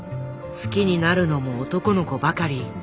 好きになるのも男の子ばかり。